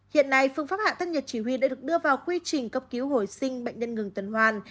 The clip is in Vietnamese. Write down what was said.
hiện nay phương pháp hạ tân nhật chỉ huy đã được đưa vào quy trình cấp cứu hồi sinh bệnh nhân ngừng tuần hoàn